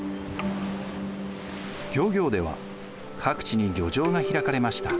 漁業では各地に漁場が開かれました。